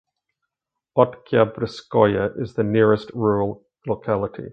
Oktyabrskoye is the nearest rural locality.